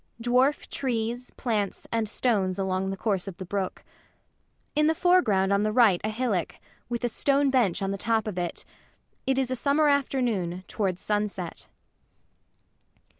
Dwarf trees, plants, and stones along the course of the brook. In the foreground on the right a hillock, with a stone bench on the top of it. It is a summer afternoon, towards sunset.